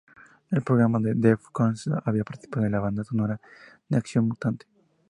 El grupo Def Con Dos había participado en la banda sonora de "Acción mutante".